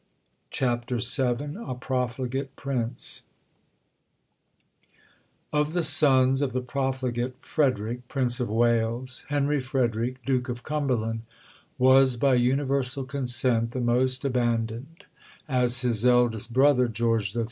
CHAPTER VII A PROFLIGATE PRINCE Of the sons of the profligate Frederick, Prince of Wales, Henry Frederick, Duke of Cumberland, was, by universal consent, the most abandoned, as his eldest brother, George III.